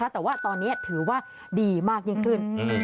แต่ว่าตอนนี้ถือว่าดีมากยิ่งขึ้น